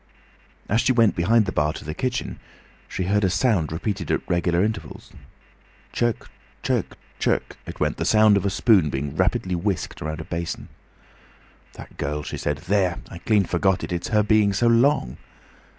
As she went behind the bar to the kitchen she heard a sound repeated at regular intervals. Chirk, chirk, chirk, it went, the sound of a spoon being rapidly whisked round a basin. "That girl!" she said. "There! I clean forgot it. It's her being so long!"